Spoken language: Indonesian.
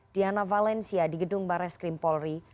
diana valencia di gedung barreskrim polri